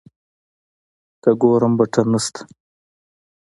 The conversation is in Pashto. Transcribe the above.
که ګورم بټن نسته.